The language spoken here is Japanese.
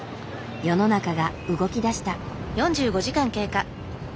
世の中が動きだした。